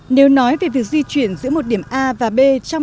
nếu nói về việc di chuyển giữa một điểm a và b